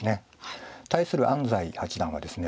対する安斎八段はですね